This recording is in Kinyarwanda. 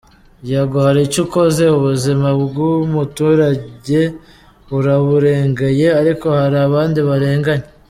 Yego hari icyo ukoze, ubuzima bw’umuturage uraburengeye ariko hari abandi barenganye.